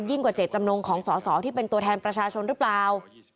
กว่าเจตจำนงของสอสอที่เป็นตัวแทนประชาชนหรือเปล่า